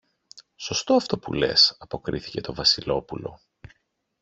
Σωστό αυτό που λες, αποκρίθηκε το Βασιλόπουλο.